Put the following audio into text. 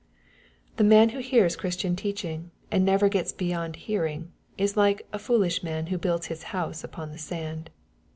The man who hears Christian teac hing , and never gets beyond hearing,_is like " a foolish man who builds his house upon the sand.''